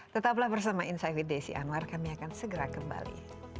tetaplah bersama insight with desi anwar kami akan segera kembali